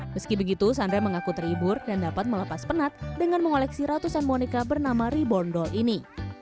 meski begitu sandra mengaku terhibur dan dapat melepas penat dengan mengoleksi ratusan boneka bernama rebordol ini